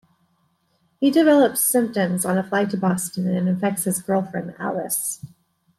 He develops symptoms on a flight to Boston and infects his girlfriend, Alice.